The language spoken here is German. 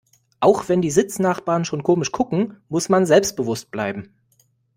Auch wenn die Sitznachbarn schon komisch gucken, muss man selbstbewusst bleiben.